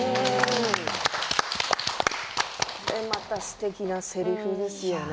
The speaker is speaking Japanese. またすてきなせりふですよね。